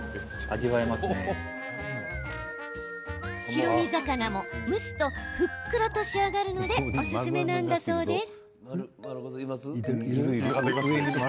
白身魚も、蒸すとふっくらと仕上がるのでおすすめなんだそうです。